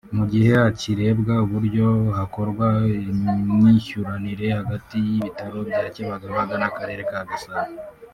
mu gihe hakirebwa uburyo hakorwa imyishyuranire hagati y’ibitaro bya Kibagabaga n’Akarere ka Gasabo